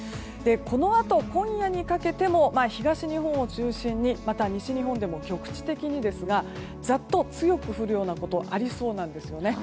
このあと、今夜にかけても東日本を中心にまた西日本でも局地的にですがざっと強く降るようなことがありそうなんですよね。